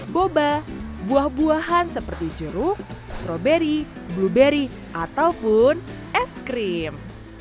boba buah buahan seperti jeruk stroberi blueberry ataupun es krim